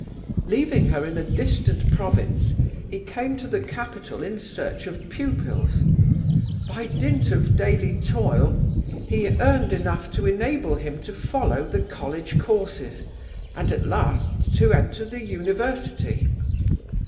Leaving her in a distant province, he came to the capital in search of pupils. By dint of daily toil he earned enough to enable him to follow the college courses, and at last to enter the university.